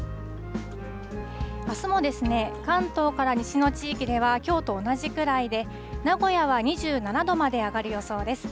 あすもですね、関東から西の地域では、きょうと同じくらいで、名古屋は２７度まで上がる予想です。